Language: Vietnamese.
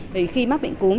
vì khi mắc bệnh cúm